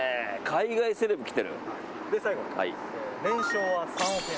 海外セレブが来ていると。